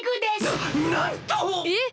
ななんと！えっ！